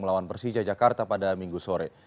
melawan persija jakarta pada minggu sore